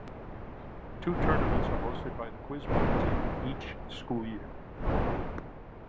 Two tournaments are hosted by the Quiz Bowl Team each school year.